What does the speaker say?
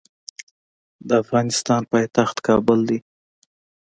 د افغانستان پایتخت کابل دی.